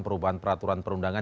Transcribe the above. perubahan peraturan perundangan